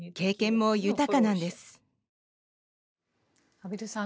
畔蒜さん